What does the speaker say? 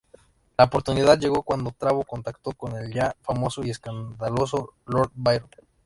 La oportunidad llegó cuando trabó contacto con el ya famoso y escandaloso Lord Byron.